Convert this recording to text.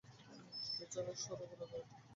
পেছনে সরো, ঘুরে যাও।